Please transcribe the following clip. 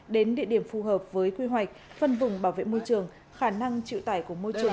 đến địa điểm phù hợp với quy hoạch phân vùng bảo vệ môi trường khả năng chịu tải của môi trường